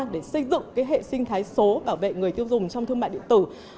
để xây dựng hệ sinh thái số bảo vệ người tiêu dùng trong thương mại điện tử